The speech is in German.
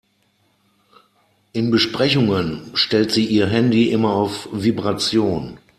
In Besprechungen stellt sie ihr Handy immer auf Vibration.